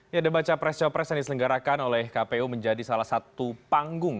ya debat capres capres yang diselenggarakan oleh kpu menjadi salah satu panggung